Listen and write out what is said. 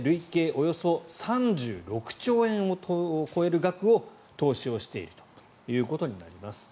およそ３６兆円を超える額を投資をしているということになります。